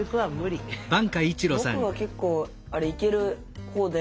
ぼくは結構あれいける方で。